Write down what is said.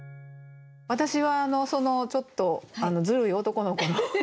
私はそのちょっとずるい男の子の。